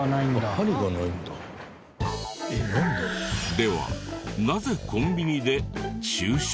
ではなぜコンビニで注射器を？